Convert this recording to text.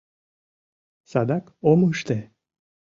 — Садак ом ыште...